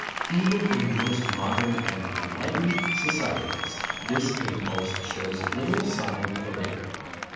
Even in the most modern and enlightened societies this impulse shows little sign of abating.